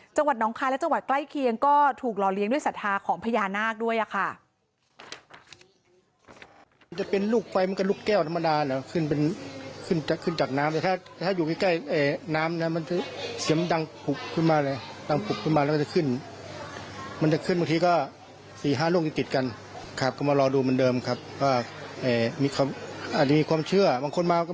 จังหวัดน้องคายและจังหวัดใกล้เคียงก็ถูกหล่อเลี้ยงด้วยศรัทธาของพญานาคด้วยค่ะ